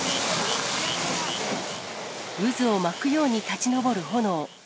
渦を巻くように立ち上る炎。